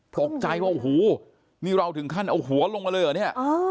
ตกใจว่าโอ้โหนี่เราถึงขั้นเอาหัวลงมาเลยเหรอเนี่ย